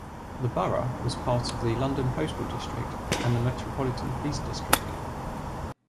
The borough was part of the London postal district and Metropolitan Police District.